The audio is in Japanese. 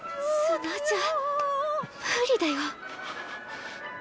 砂じゃ無理だよ。